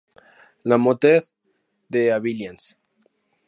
La Motte-d'Aveillans